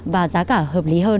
và giá cả hợp lý hơn